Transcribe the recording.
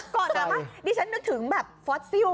ก่อนนะมั้ยนี่ฉันนึกถึงแบบฟอสซิลอ่ะ